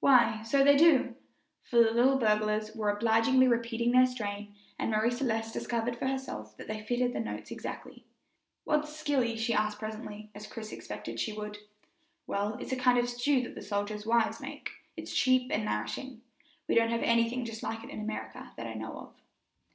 "Why, so they do!" for the little buglers were obligingly repeating their strain, and Marie Celeste discovered for herself that they fitted the notes exactly. "What's 'skilly?'" she asked presently, as Chris expected she would. "Well, it's a kind of stew that the soldiers' wives make. It's cheap and nourishing. We don't have anything just like it in America that I know of."